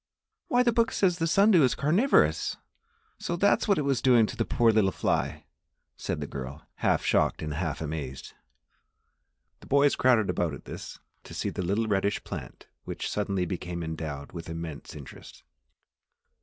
"Why, the book says that the sun dew is carnivorous! So that is what it was doing to the poor little fly?" said the girl, half shocked and half amazed. The boys crowded about at this, to see the little reddish plant which suddenly became endowed with immense interest.